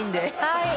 はい。